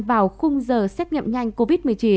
vào khung giờ xét nghiệm nhanh covid một mươi chín